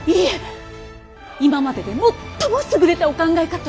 今まででもっとも優れたお考えかと！